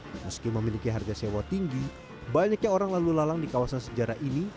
meski memiliki harga sewa tinggi banyaknya orang lalu lalang di kawasan sejarah ini